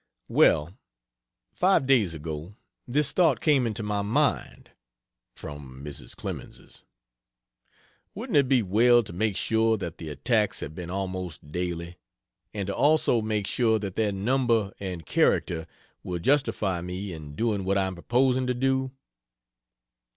Well, five days ago, this thought came into my mind (from Mrs. Clemens's): "Wouldn't it be well to make sure that the attacks have been 'almost daily'? and to also make sure that their number and character will justify me in doing what I am proposing to do?"